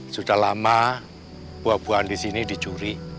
sudah lama buah buahan di sini dicuri